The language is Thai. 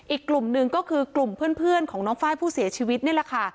อีกกลุ่มหนึ่งก็คือกลุ่มเพื่อนของน้องไฟล์ผู้เสียชีวิตนี่แหละค่ะ